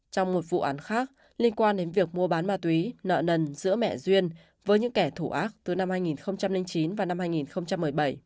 trong một vụ án khác liên quan đến việc mua bán ma túy nợ nần giữa mẹ duyên với những kẻ thủ ác từ năm hai nghìn chín và năm hai nghìn một mươi bảy